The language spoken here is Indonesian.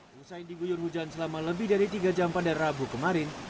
selesai diguyur hujan selama lebih dari tiga jam pada rabu kemarin